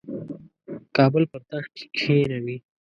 کابل پر تخت کښېنوي.